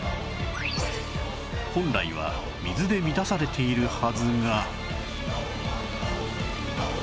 本来は水で満たされているはずが